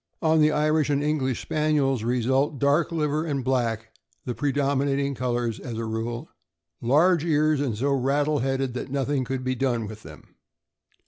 On the Irish and English Spaniels; result, dark liver and black the predominating colors, as a rule. Large ears, and so rattle headed that nothing could be done with them.